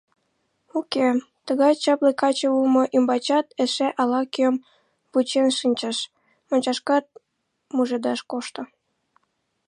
Уке, тыгай чапле каче улмо ӱмбачат эше ала-кӧм вучен шинчыш, мончашкат мужедаш кошто.